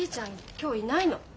今日いないの。